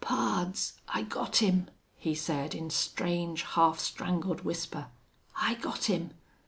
"Pards, I got him!" he said, in strange, half strangled whisper. "I got him!...